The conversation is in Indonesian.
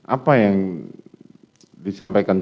apa yang disampaikan